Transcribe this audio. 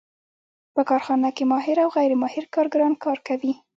په کارخانه کې ماهر او غیر ماهر کارګران کار کوي